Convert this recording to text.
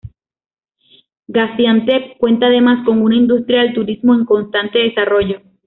Gaziantep cuenta además con una industria del turismo en constante desarrollo.